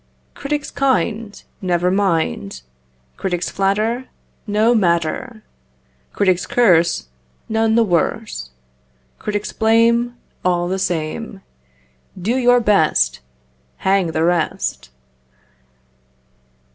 Critics kind, Never mind! Critics flatter, No matter! Critics curse, None the worse. Critics blame, All the same! Do your best. Hang the rest!